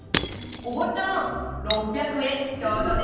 おばちゃん６００えんちょうどね。